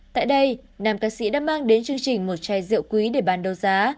tại đây nam ca sĩ đã mang đến chương trình một chai rượu quý để bán đấu giá